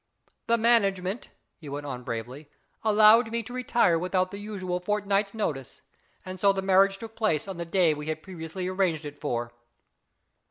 " The management," he went on bravely, " allowed me to retire without the usual fort night's notice, and so the marriage took place on the day we had previously arranged it for."